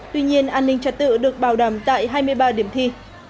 tuy nhiên an ninh trật tự được bảo đảm tại hai mươi ba điểm thi